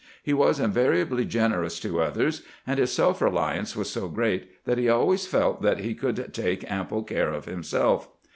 He was invariably generous to others, and his self reliance was so great that he always felt that he could take ample care of himself.